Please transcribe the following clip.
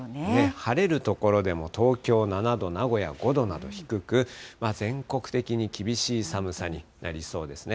晴れる所でも東京７度、名古屋５度など低く、全国的に厳しい寒さになりそうですね。